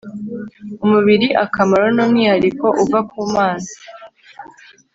umubiri akamaro ni umwihariko uva Mana